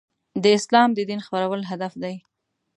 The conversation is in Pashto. د اسلام د دین خپرول هدف دی.